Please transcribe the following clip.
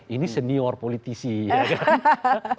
ini senior politisi ya kan